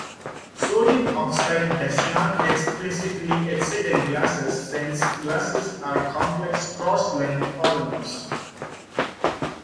Sodium oxide does not explicitly exist in glasses, since glasses are complex cross-linked polymers.